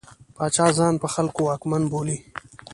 پاچا ځان په خلکو واکمن بولي.